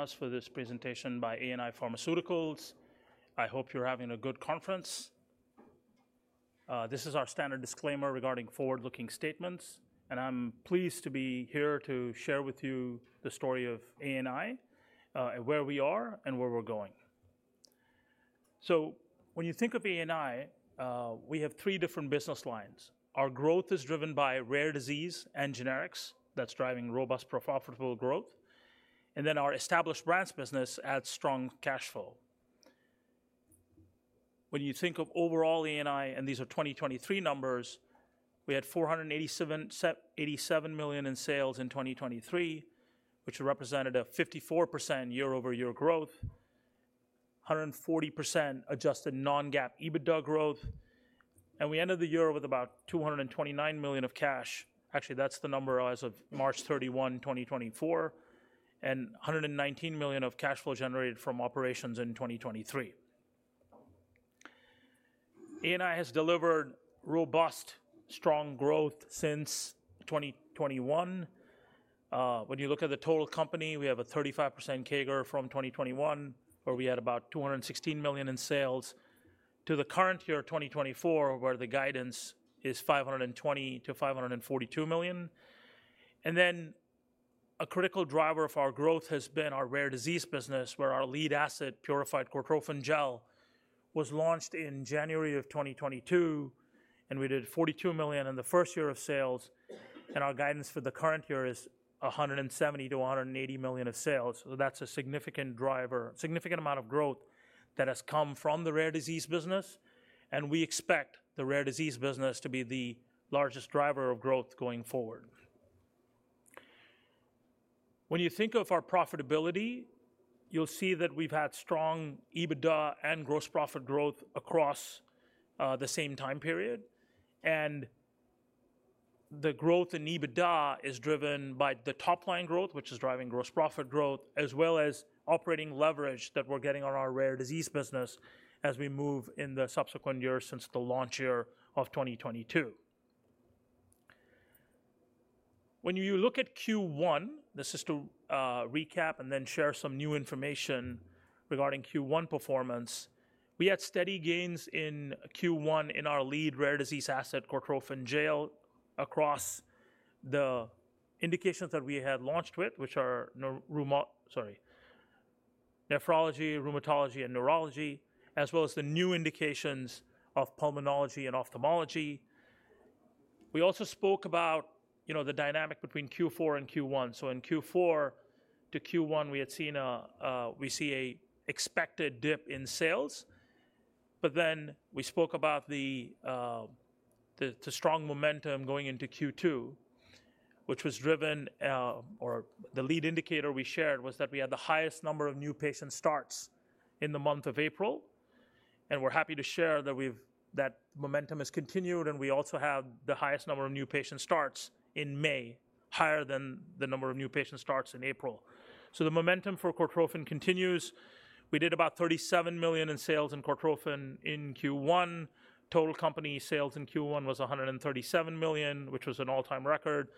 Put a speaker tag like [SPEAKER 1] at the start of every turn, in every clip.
[SPEAKER 1] Joining us for this presentation by ANI Pharmaceuticals. I hope you're having a good conference. This is our standard disclaimer regarding forward-looking statements, and I'm pleased to be here to share with you the story of ANI, and where we are and where we're going. So when you think of ANI, we have three different business lines. Our growth is driven by rare disease and generics. That's driving robust, profitable growth, and then our established brands business adds strong cash flow. When you think of overall ANI, and these are 2023 numbers, we had $487 million in sales in 2023, which represented a 54% year-over-year growth, 140% adjusted non-GAAP EBITDA growth, and we ended the year with about $229 million of cash. Actually, that's the number as of March 31, 2024, and $119 million of cash flow generated from operations in 2023. ANI has delivered robust, strong growth since 2021. When you look at the total company, we have a 35% CAGR from 2021, where we had about $216 million in sales to the current year, 2024, where the guidance is $520 million-$542 million. And then a critical driver of our growth has been our rare disease business, where our lead asset, Purified Cortrophin Gel, was launched in January 2022, and we did $42 million in the first year of sales, and our guidance for the current year is $170 million-$180 million of sales. So that's a significant driver, significant amount of growth that has come from the rare disease business, and we expect the rare disease business to be the largest driver of growth going forward. When you think of our profitability, you'll see that we've had strong EBITDA and gross profit growth across the same time period. And the growth in EBITDA is driven by the top-line growth, which is driving gross profit growth, as well as operating leverage that we're getting on our rare disease business as we move in the subsequent years since the launch year of 2022. When you look at Q1, this is to recap and then share some new information regarding Q1 performance. We had steady gains in Q1 in our lead rare disease asset, Cortrophin Gel, across the indications that we had launched with, which are neuro-- rheumo... Sorry, nephrology, rheumatology, and neurology, as well as the new indications of pulmonology and ophthalmology. We also spoke about, you know, the dynamic between Q4 and Q1. So in Q4 to Q1, we had seen a... We see an expected dip in sales, but then we spoke about the strong momentum going into Q2, which was driven, or the lead indicator we shared was that we had the highest number of new patient starts in the month of April, and we're happy to share that we've- that momentum has continued, and we also have the highest number of new patient starts in May, higher than the number of new patient starts in April. So the momentum for Cortrophin continues. We did about $37 million in sales in Cortrophin in Q1. Total company sales in Q1 was $137 million, which was an all-time record,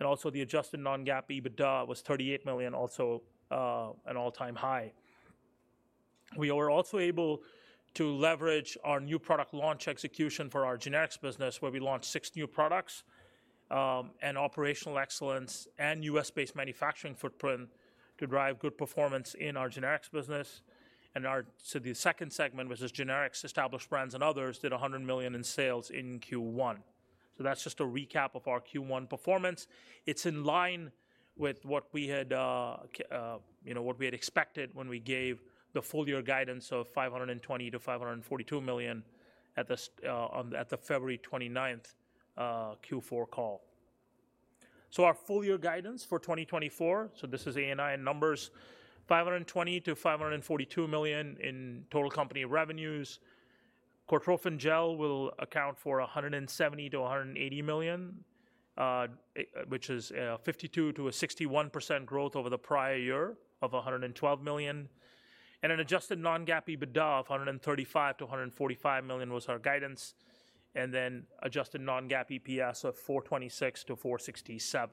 [SPEAKER 1] and also the adjusted non-GAAP EBITDA was $38 million, also an all-time high. We were also able to leverage our new product launch execution for our generics business, where we launched 6 new products, and operational excellence and U.S.-based manufacturing footprint to drive good performance in our generics business. So the second segment, which is generics, established brands, and others, did $100 million in sales in Q1. So that's just a recap of our Q1 performance. It's in line with what we had, you know, what we had expected when we gave the full year guidance of $520 million-$542 million at the on the, at the February 29 Q4 call. Our full year guidance for 2024, so this is ANI in numbers, $520 million-$542 million in total company revenues. Cortrophin Gel will account for $170 million-$180 million, which is, 52%-61% growth over the prior year of $112 million. And an adjusted non-GAAP EBITDA of $135 million-$145 million was our guidance, and then adjusted non-GAAP EPS of $4.26-$4.67.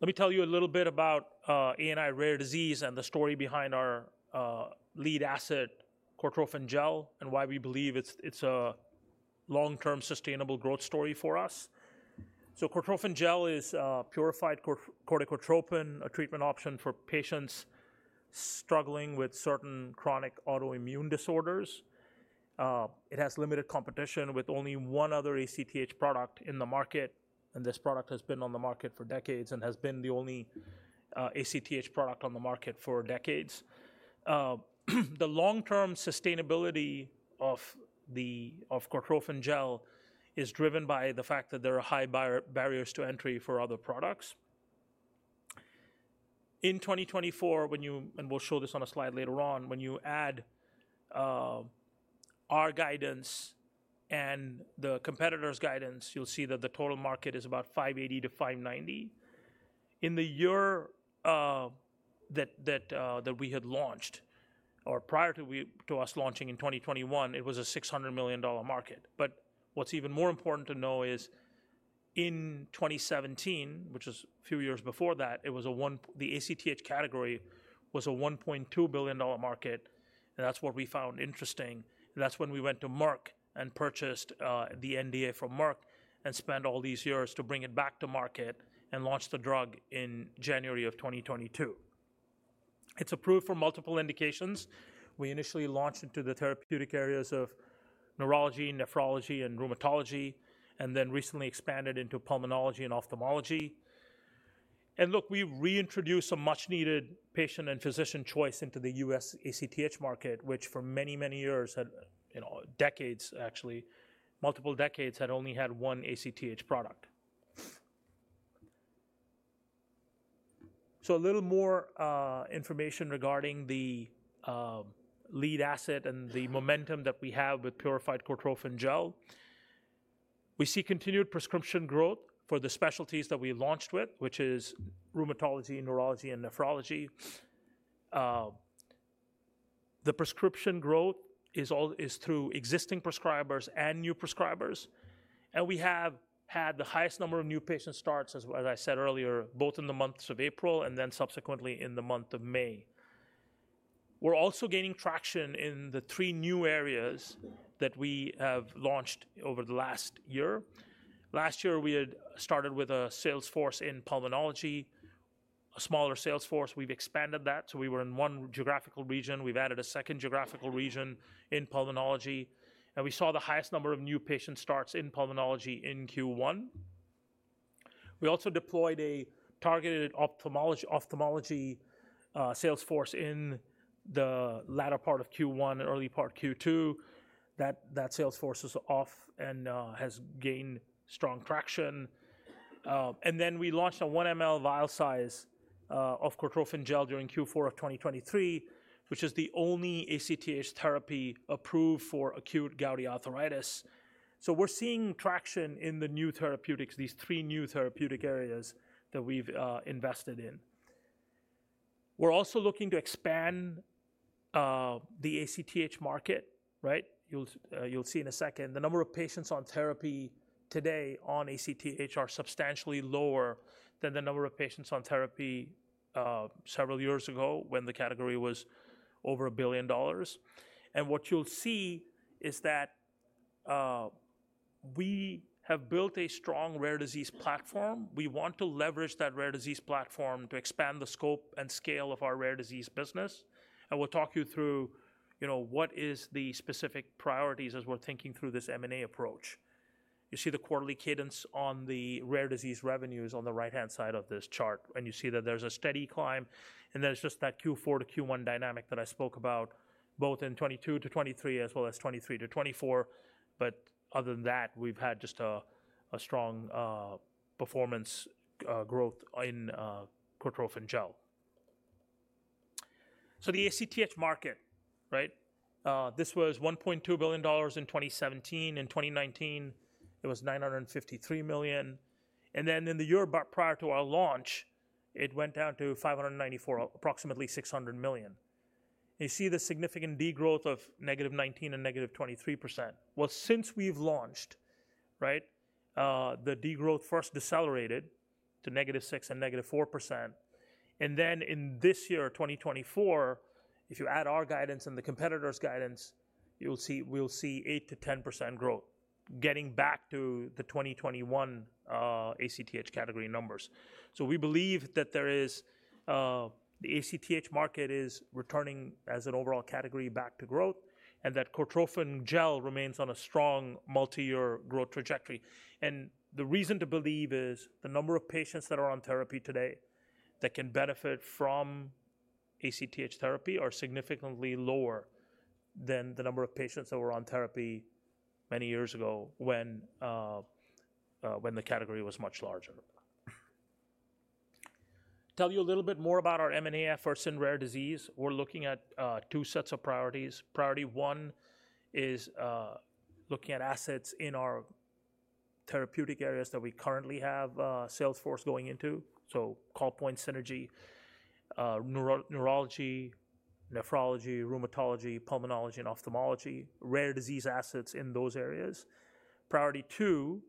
[SPEAKER 1] Let me tell you a little bit about, ANI rare disease and the story behind our lead asset, Cortrophin Gel, and why we believe it's a long-term sustainable growth story for us. So Cortrophin Gel is a purified Cortrophin, a treatment option for patients struggling with certain chronic autoimmune disorders. It has limited competition with only one other ACTH product in the market, and this product has been on the market for decades and has been the only ACTH product on the market for decades. The long-term sustainability of Cortrophin Gel is driven by the fact that there are high barriers to entry for other products. In 2024, we'll show this on a slide later on, when you add our guidance and the competitor's guidance, you'll see that the total market is about $580 million-$590 million. Prior to us launching in 2021, it was a $600 million market. But what's even more important to know is in 2017, which is a few years before that, it was a $1.2 billion market, the ACTH category, and that's what we found interesting. That's when we went to Merck and purchased the NDA from Merck and spent all these years to bring it back to market and launched the drug in January 2022. It's approved for multiple indications. We initially launched into the therapeutic areas of neurology, nephrology, and rheumatology, and then recently expanded into pulmonology and ophthalmology. And look, we've reintroduced a much-needed patient and physician choice into the U.S. ACTH market, which for many, many years had, you know, decades, actually, multiple decades, had only had one ACTH product. So a little more information regarding the lead asset and the momentum that we have with Purified Cortrophin Gel. We see continued prescription growth for the specialties that we launched with, which is rheumatology, neurology, and nephrology. The prescription growth is through existing prescribers and new prescribers, and we have had the highest number of new patient starts, as I said earlier, both in the months of April and then subsequently in the month of May. We're also gaining traction in the three new areas that we have launched over the last year. Last year, we had started with a sales force in pulmonology, a smaller sales force. We've expanded that, so we were in one geographical region. We've added a second geographical region in pulmonology, and we saw the highest number of new patient starts in pulmonology in Q1. We also deployed a targeted ophthalmology sales force in the latter part of Q1 and early part Q2. That sales force is off and has gained strong traction. And then we launched a 1 ml vial size of Cortrophin Gel during Q4 of 2023, which is the only ACTH therapy approved for acute gouty arthritis. So we're seeing traction in the new therapeutics, these three new therapeutic areas that we've invested in. We're also looking to expand the ACTH market, right? You'll see in a second, the number of patients on therapy today on ACTH are substantially lower than the number of patients on therapy several years ago when the category was over $1 billion. What you'll see is that we have built a strong rare disease platform. We want to leverage that rare disease platform to expand the scope and scale of our rare disease business, and we'll talk you through, you know, what is the specific priorities as we're thinking through this M&A approach. You see the quarterly cadence on the rare disease revenues on the right-hand side of this chart, and you see that there's a steady climb, and there's just that Q4 to Q1 dynamic that I spoke about, both in 2022 to 2023, as well as 2023 to 2024. But other than that, we've had just a, a strong, performance, growth in, Cortrophin Gel. So the ACTH market, right? This was $1.2 billion in 2017. In 2019, it was $953 million, and then in the year prior to our launch, it went down to $594 million, approximately $600 million. You see the significant degrowth of -19% and -23%. Well, since we've launched, right, the degrowth first decelerated to -6% and -4%, and then in this year, 2024, if you add our guidance and the competitor's guidance, you'll see, we'll see 8%-10% growth, getting back to the 2021 ACTH category numbers. So we believe that there is, the ACTH market is returning as an overall category back to growth, and that Cortrophin Gel remains on a strong multi-year growth trajectory. The reason to believe is the number of patients that are on therapy today that can benefit from ACTH therapy are significantly lower than the number of patients that were on therapy many years ago when the category was much larger. Tell you a little bit more about our M&A efforts in rare disease. We're looking at two sets of priorities. Priority one is looking at assets in our therapeutic areas that we currently have sales force going into. So call point synergy, neurology, nephrology, rheumatology, pulmonology, and ophthalmology, rare disease assets in those areas. Priority two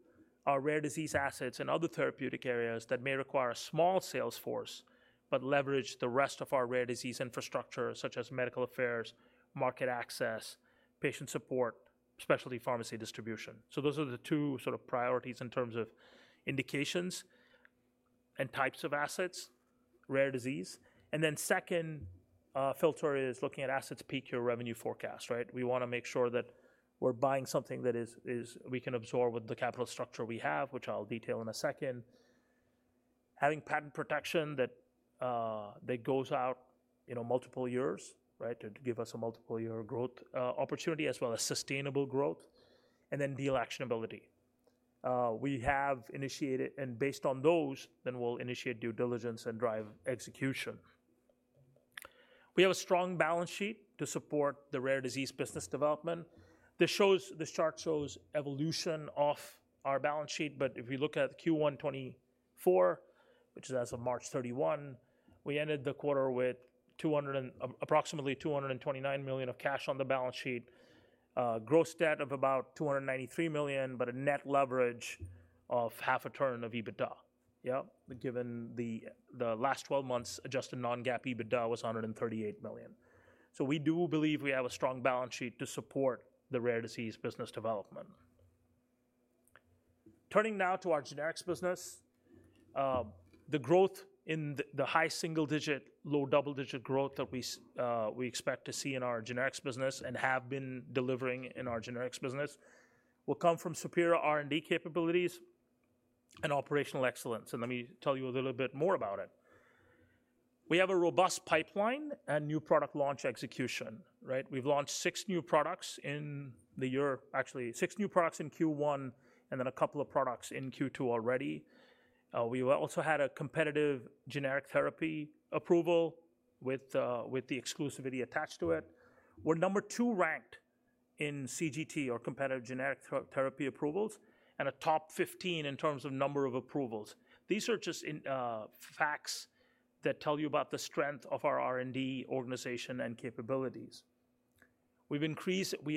[SPEAKER 1] are rare disease assets in other therapeutic areas that may require a small sales force, but leverage the rest of our rare disease infrastructure, such as medical affairs, market access, patient support, specialty pharmacy distribution. So those are the two sort of priorities in terms of indications and types of assets, rare disease. And then second filter is looking at assets, peak year revenue forecast, right? We wanna make sure that we're buying something that is we can absorb with the capital structure we have, which I'll detail in a second. Having patent protection that that goes out, you know, multiple years, right, to give us a multiple year growth opportunity, as well as sustainable growth, and then deal actionability. We have initiated, and based on those, then we'll initiate due diligence and drive execution. We have a strong balance sheet to support the rare disease business development. This shows, this chart shows evolution of our balance sheet, but if we look at Q1 2024, which is as of March 31, we ended the quarter with approximately $229 million of cash on the balance sheet, gross debt of about $293 million, but a net leverage of half a turn of EBITDA. Yeah, given the last twelve months, adjusted non-GAAP EBITDA was $138 million. So we do believe we have a strong balance sheet to support the rare disease business development. Turning now to our generics business, the growth in the high single-digit, low double-digit growth that we expect to see in our generics business and have been delivering in our generics business will come from superior R&D capabilities and operational excellence, and let me tell you a little bit more about it. We have a robust pipeline and new product launch execution, right? We've launched six new products in the year. Actually, six new products in Q1, and then a couple of products in Q2 already. We also had a competitive generic therapy approval with the exclusivity attached to it. We're number two ranked in CGT or competitive generic therapy approvals, and a top 15 in terms of number of approvals. These are just in facts that tell you about the strength of our R&D organization and capabilities. We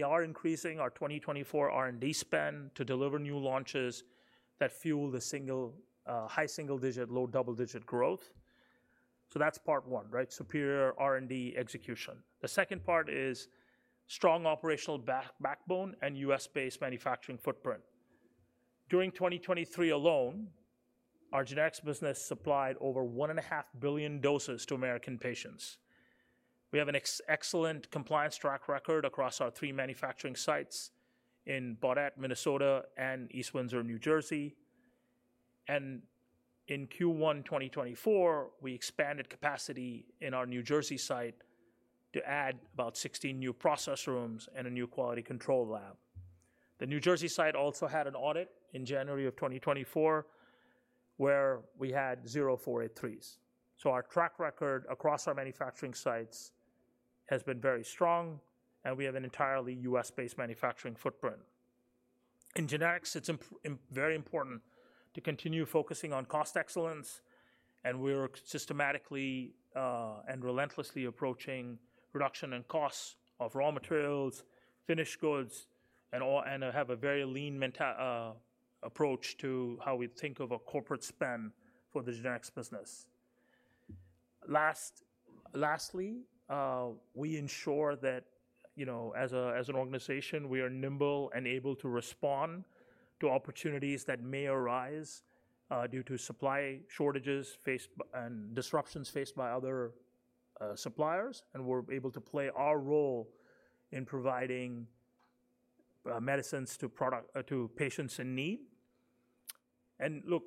[SPEAKER 1] are increasing our 2024 R&D spend to deliver new launches that fuel the single, high single-digit, low double-digit growth. So that's part one, right? Superior R&D execution. The second part is strong operational backbone and US-based manufacturing footprint. During 2023 alone, our generics business supplied over 1.5 billion doses to American patients. We have an excellent compliance track record across our three manufacturing sites in Baudette, Minnesota, and East Windsor, New Jersey. And in Q1 2024, we expanded capacity in our New Jersey site to add about 16 new process rooms and a new quality control lab. The New Jersey site also had an audit in January 2024, where we had zero 483s. So our track record across our manufacturing sites has been very strong, and we have an entirely U.S.-based manufacturing footprint. In generics, it's very important to continue focusing on cost excellence, and we're systematically and relentlessly approaching reduction in costs of raw materials, finished goods, and all and have a very lean approach to how we think of a corporate spend for the generics business. Lastly, we ensure that, you know, as an organization, we are nimble and able to respond to opportunities that may arise due to supply shortages faced by and disruptions faced by other suppliers, and we're able to play our role in providing medicines to patients in need. Look,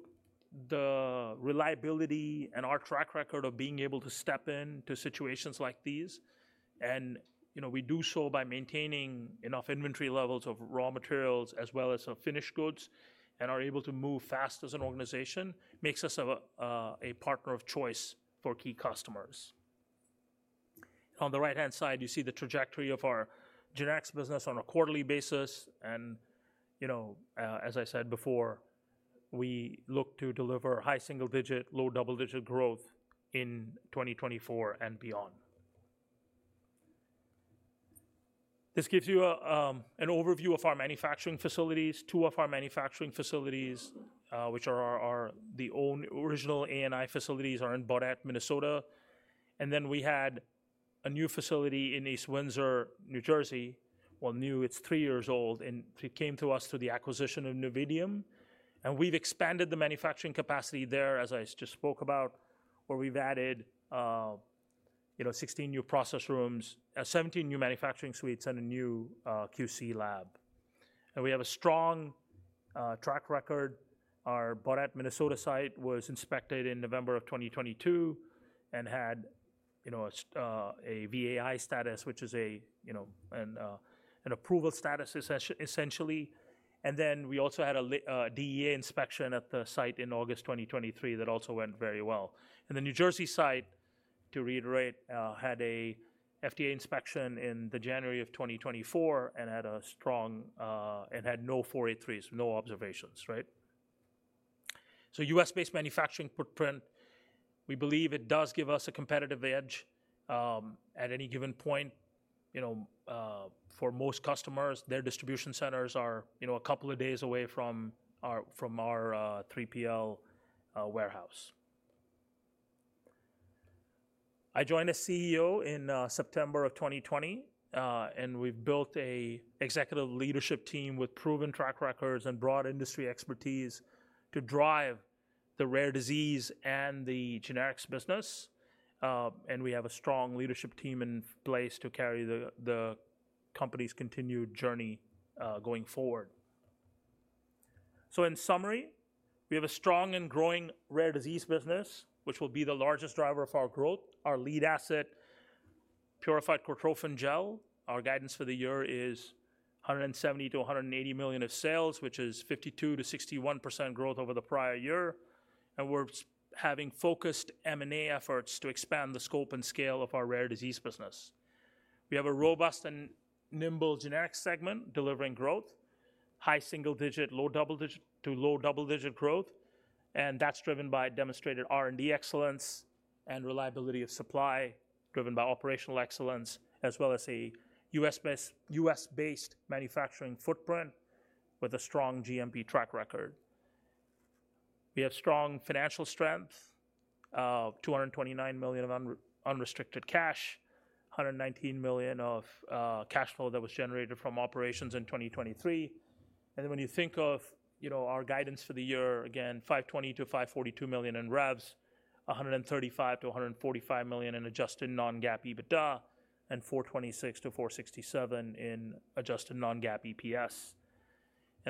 [SPEAKER 1] the reliability and our track record of being able to step in to situations like these, and, you know, we do so by maintaining enough inventory levels of raw materials as well as of finished goods, and are able to move fast as an organization, makes us a partner of choice for key customers. On the right-hand side, you see the trajectory of our generics business on a quarterly basis, and, you know, as I said before, we look to deliver high single digit, low double-digit growth in 2024 and beyond. This gives you an overview of our manufacturing facilities. Two of our manufacturing facilities, which are our original ANI facilities are in Baudette, Minnesota, and then we had a new facility in East Windsor, New Jersey. Well, new, it's three years old, and it came to us through the acquisition of Novitium, and we've expanded the manufacturing capacity there, as I just spoke about, where we've added, you know, 16 new process rooms, seventeen new manufacturing suites, and a new, QC lab. And we have a strong, track record. Our Baudette, Minnesota site was inspected in November of 2022 and had, you know, a VAI status, which is a, you know, an, an approval status essentially. And then we also had a DEA inspection at the site in August 2023, that also went very well. And the New Jersey site, to reiterate, had a FDA inspection in the January of 2024 and had a strong, uh. And had no 483s, no observations, right? So US-based manufacturing footprint, we believe it does give us a competitive edge at any given point. You know, for most customers, their distribution centers are, you know, a couple of days away from our, from our 3PL warehouse. I joined as CEO in September of 2020, and we've built an executive leadership team with proven track records and broad industry expertise to drive the rare disease and the generics business. And we have a strong leadership team in place to carry the company's continued journey going forward. So in summary, we have a strong and growing rare disease business, which will be the largest driver of our growth. Our lead asset, Purified Cortrophin Gel, our guidance for the year is-... $170 million-$180 million of sales, which is 52%-61% growth over the prior year, and we're having focused M&A efforts to expand the scope and scale of our rare disease business. We have a robust and nimble generic segment delivering growth, high single-digit to low double-digit growth, and that's driven by demonstrated R&D excellence and reliability of supply, driven by operational excellence, as well as a U.S.-based, U.S.-based manufacturing footprint with a strong GMP track record. We have strong financial strength, $229 million of unrestricted cash, $119 million of cash flow that was generated from operations in 2023. When you think of, you know, our guidance for the year, again, $520 million-$542 million in revs, $135 million-$145 million in adjusted non-GAAP EBITDA, and $4.26-$4.67 in adjusted non-GAAP EPS.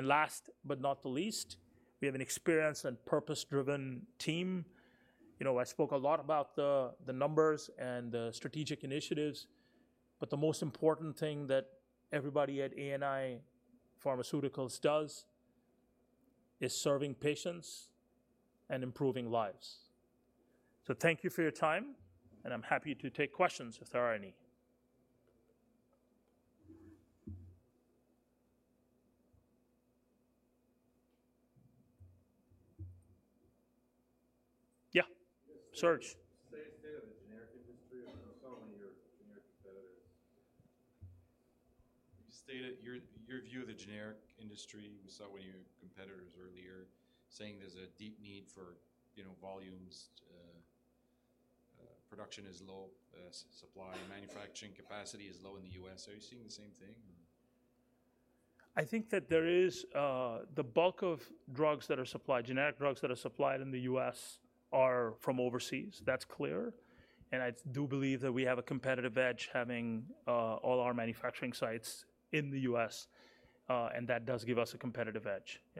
[SPEAKER 1] Last but not the least, we have an experienced and purpose-driven team. You know, I spoke a lot about the, the numbers and the strategic initiatives, but the most important thing that everybody at ANI Pharmaceuticals does is serving patients and improving lives. So thank you for your time, and I'm happy to take questions if there are any. Yeah, Serge?
[SPEAKER 2] State of the generic industry, I saw one of your generic competitors. You stated your view of the generic industry. We saw one of your competitors earlier saying there's a deep need for, you know, volumes. Production is low. Supply, manufacturing capacity is low in the U.S. Are you seeing the same thing?
[SPEAKER 1] I think that there is, the bulk of drugs that are supplied, generic drugs that are supplied in the U.S. are from overseas. That's clear, and I do believe that we have a competitive edge having, all our manufacturing sites in the U.S., and that does give us a competitive edge.